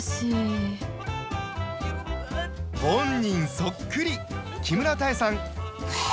そっくり木村多江さん